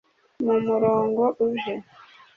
mu murongo uje